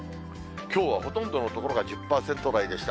きょうはほとんどの所が１０％台でした。